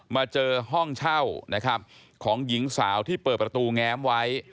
มาเจอห้องเช่านะครับของหญิงสาวที่เปิดประตูแง้มไว้